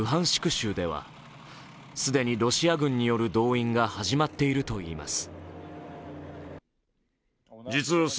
州では、既にロシア軍による動員が始まっているといいます。